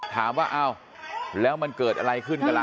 ถามว่าอ้าวแล้วมันเกิดอะไรขึ้นกันล่ะ